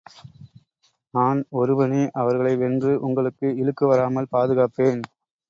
நான் ஒருவனே அவர்களை வென்று உங்களுக்கு இழுக்கு வராமல் பாதுகாப்பேன்.